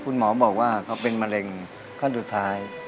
คุณหมอบอกว่าเขาเป็นมะเร็งขั้นสุดท้าย